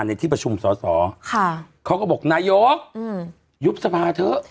ในที่ประชุมสอสอเขาก็บอกนายกยุบสภาเถอะ